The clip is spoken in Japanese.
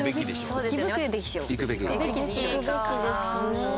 「行くべき」ですかね。